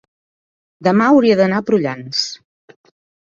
demà hauria d'anar a Prullans.